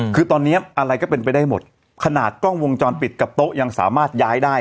คือตอนนี้อะไรก็เป็นไปได้หมดขนาดกล้องวงจรปิดกับโต๊ะยังสามารถย้ายได้